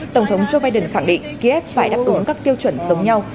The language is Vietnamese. tổng thống joe biden khẳng định kiev phải đáp ứng các tiêu chuẩn giống nhau